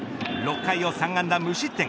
６回を３安打無失点。